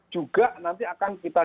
juga nanti akan kita